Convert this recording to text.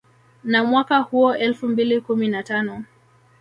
Na mwaka huo elfu mbili kumi na tano